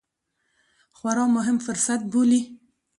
خورا مهم فرصت بولي